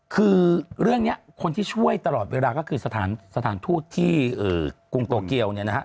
คือเรื่องนี้คนที่ช่วยตลอดเวลาก็คือสถานทูตที่กรุงโตเกียวเนี่ยนะฮะ